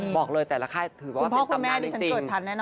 บอกเลยแต่ละค่ายถือว่าเป็นตำนานจริง